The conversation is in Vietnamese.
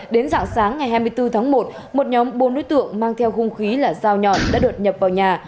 đến dạng sáng ngày hai mươi bốn tháng một một nhóm bốn đối tượng mang theo hung khí là dao nhọn đã đột nhập vào nhà